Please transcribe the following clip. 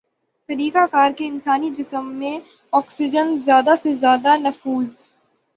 طریقہ کار کے انسانی جسم میں آکسیجن زیادہ سے زیادہ نفوذ